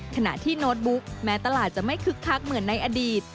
ขณะที่โน้ตบุ๊กแม้ตลาดจะไม่คึกคักเหมือนในอดีต